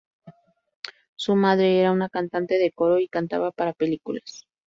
Su madre era una cantante de coro y cantaba para películas.